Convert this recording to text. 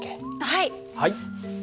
はい。